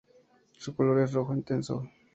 Su color es rojo intenso.